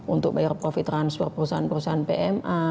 untuk bayar covid transfer perusahaan perusahaan pma